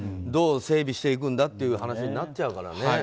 どう整備していくんだという話になっちゃうからね。